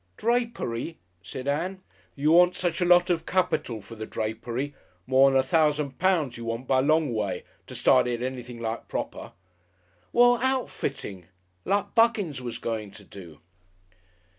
"Drapery?" said Ann. "You want such a lot of capital for the drapery, mor'n a thousand pounds you want by a long way to start it anything like proper." "Well, outfitting. Like Buggins was going to do."